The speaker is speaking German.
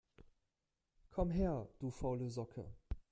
Komm her, du faule Socke!